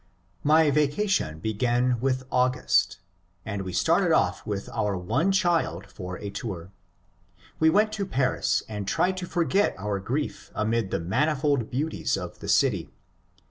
My vacation began with August, and we started off with our one child for a tour. We went to Paris and tried to forget our grief amid the manifold beauties of the city.